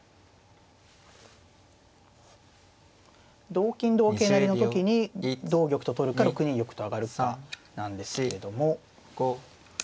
同金同桂成の時に同玉と取るか６二玉と上がるかなんですけれども。